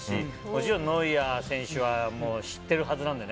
もちろんノイアー選手は知っているはずなので。